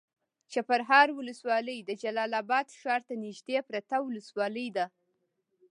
چپرهار ولسوالي د جلال اباد ښار ته نږدې پرته ولسوالي ده.